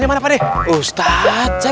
eh pak dek kenapa sih